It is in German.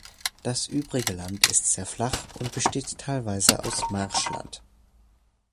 Das übrige Land ist sehr flach und besteht teilweise aus Marschland.